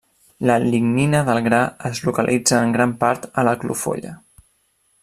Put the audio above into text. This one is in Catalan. La lignina del gra es localitza en gran part a la clofolla.